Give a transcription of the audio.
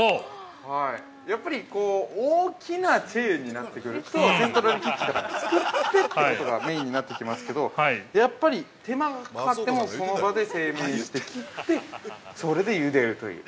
やっぱり大きなチェーンになってくるとセントラルキッチンとかで作ってってことがメインになってきますけどやっぱり、手間がかかってもその場で製麺して、切ってそれでゆでるという。